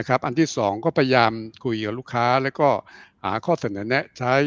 อันที่๒ก็พยายามคุยกับลูกค้าแล้วก็หาข้อเสนอแนะใช้